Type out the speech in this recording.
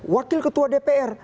wakil ketua dpr